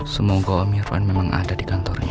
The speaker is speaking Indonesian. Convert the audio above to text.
semoga om irfan memang ada di kantornya